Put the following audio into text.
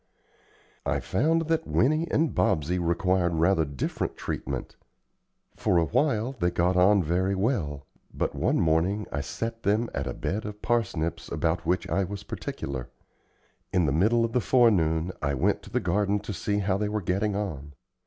I found that Winnie and Bobsey required rather different treatment. For a while they got on very well, but one morning I set them at a bed of parsnips about which I was particular. In the middle of the forenoon I went to the garden to see how they were getting on.